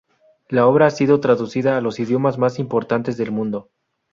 La obra ha sido traducida a los idiomas más importantes del mundo.